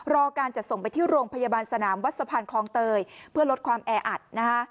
การจัดส่งไปที่โรงพยาบาลสนามวัดสะพานคลองเตยเพื่อลดความแออัดนะคะ